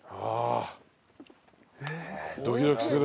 ドキドキする。